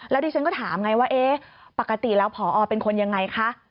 แล้วดิฉันก็ถามไงว่าเอ๊ะปกติแล้วผอเป็นคนยังไงคะ